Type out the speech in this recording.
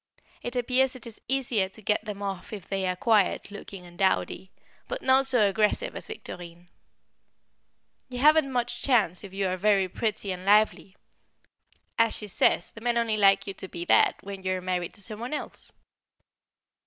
It appears it is easier to get them off if they are quiet looking and dowdy, but not so aggressive as Victorine. You haven't much chance if you are very pretty and lively; as she says, the men only like you to be that when you are married to some one else.